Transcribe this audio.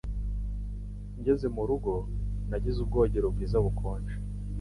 Ngeze mu rugo, nagize ubwogero bwiza, bukonje